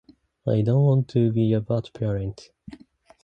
I don't want to be a bad parent.